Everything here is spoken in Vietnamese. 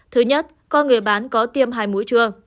thứ nhất có người bán có tiêm hai mũi chưa